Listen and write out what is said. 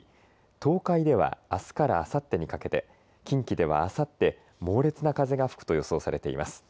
東海ではあすからあさってにかけて近畿ではあさって猛烈な風が吹くと予想されています。